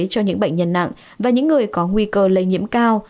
cho những bệnh nhân nặng và những người có nguy cơ lây nhiễm cao